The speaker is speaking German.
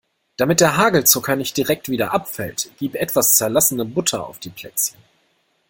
Damit der Hagelzucker nicht direkt wieder abfällt, gib etwas zerlassene Butter auf die Plätzchen.